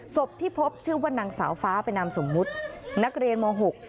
ศพที่พบชื่อว่านางสาวฟ้าเป็นนามสมมุตินักเรียนม๖